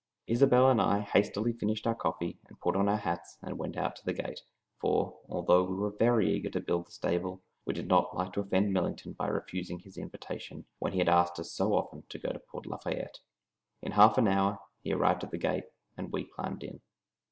Isobel and I hastily finished our coffee and put on our hats and went out to the gate, for, although we were very eager to build the stable, we did not like to offend Millington by refusing his invitation, when he had asked us so often to go to Port Lafayette. In half an hour he arrived at the gate, and we climbed in.